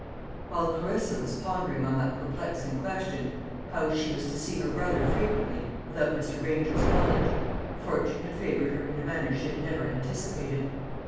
While Clarissa was pondering on that perplexing question, how she was to see her brother frequently without Mr. Granger's knowledge, fortune had favoured her in a manner she had never anticipated.